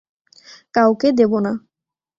কাউকে দেব না।